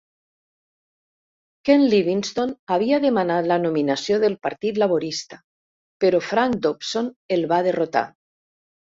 Ken Livingstone havia demanat la nominació del Partit Laborista, però Frank Dobson el va derrotar.